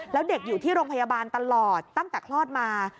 แล้วเด็กอยู่ที่โรงพยาบาลตลอดตั้งแต่คลอดมา